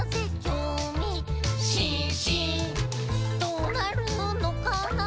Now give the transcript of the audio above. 「どーなるのかな？